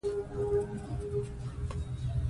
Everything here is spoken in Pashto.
تودوخه د افغانستان د ځایي اقتصادونو بنسټ دی.